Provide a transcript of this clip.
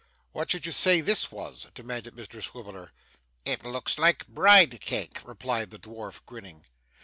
'What should you say this was?' demanded Mr Swiveller. 'It looks like bride cake,' replied the dwarf, grinning.